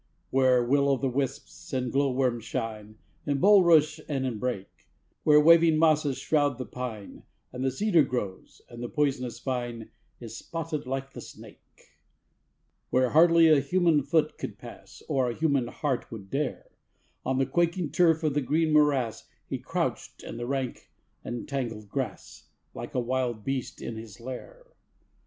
Where will o' the wisps and glowworms shine, In bulrush and in brake; Where waving mosses shroud the pine, And the cedar grows, and the poisonous vine Is spotted like the snake; Where hardly a human foot could pass, Or a human heart would dare, On the quaking turf of the green morass He crouched in the rank and tangled grass, Like a wild beast in his lair.